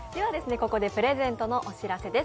ここでプレゼントのお知らせです。